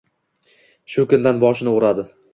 Shu kundan boshini o'radi.